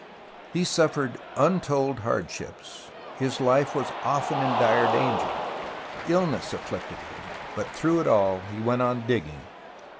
He suffered untold hard ships, his life was often in dire danger, illness afflicted him, but through it all he went on digging.